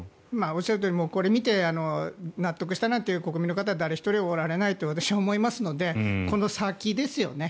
おっしゃるとおりこれ、見て納得したという国民の方は誰一人おられないと私は思いますのでこの先ですよね。